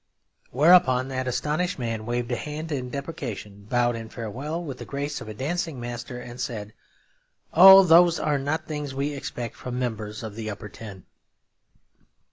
Whereupon that astonishing man waved a hand in deprecation, bowed in farewell with the grace of a dancing master; and said, 'Oh, those are not things we expect from members of the Upper Ten.'